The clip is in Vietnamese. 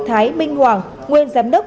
thái minh hoàng nguyên giám đốc